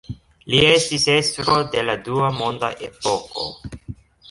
Li estis estro de la dua monda epoko.